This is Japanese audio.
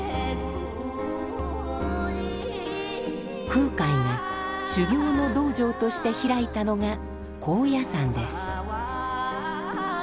空海が修行の道場として開いたのが高野山です。